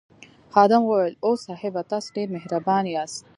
خادم وویل اوه صاحبه تاسي ډېر مهربان یاست.